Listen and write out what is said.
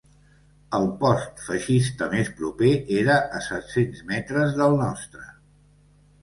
El post feixista més proper era a set-cents metres del nostre